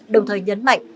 đồng thời nhấn mạnh